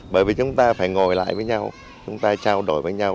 bởi vì chúng ta phải ngồi lại với nhau chúng ta trao đổi với nhau